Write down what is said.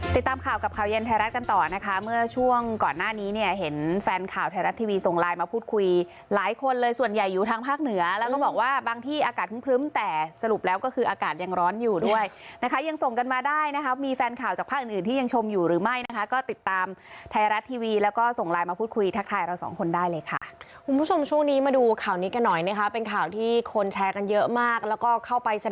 ติดตามข่าวกับข่าวเย็นไทยรัฐกันต่อนะคะเมื่อช่วงก่อนหน้านี้เนี่ยเห็นแฟนข่าวไทยรัฐทีวีส่งไลน์มาพูดคุยหลายคนเลยส่วนใหญ่อยู่ทางภาคเหนือแล้วก็บอกว่าบางที่อากาศพรึ้มแต่สรุปแล้วก็คืออากาศยังร้อนอยู่ด้วยนะคะยังส่งกันมาได้นะคะมีแฟนข่าวจากภาคอื่นที่ยังชมอยู่หรือไม่นะคะก็ติดตามไ